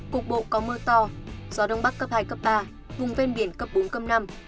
cục bộ có mưa to gió đông bắc cấp hai cấp ba vùng ven biển cấp bốn cấp năm